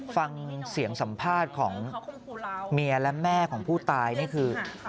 ฟังเสียงสัมภาษณ์ของเมียและแม่ของผู้ตายนี่คือ